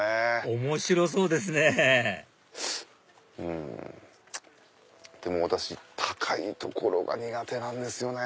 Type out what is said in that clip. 面白そうですねでも私高い所が苦手なんですよね。